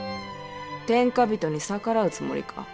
天下人に逆らうつもりか。